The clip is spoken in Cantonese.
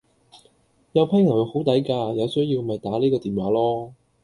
有批牛肉好抵架，有需要咪打呢個電話囉